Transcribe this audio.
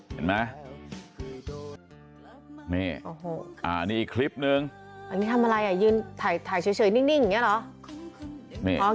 เห็นไหมนี่อีกคลิปนึงอันนี้ทำอะไรอ่ะยืนถ่ายเฉยนิ่งอย่างนี้เหรอ